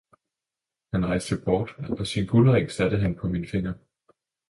- Han rejste bort, og sin guldring satte han på min finger.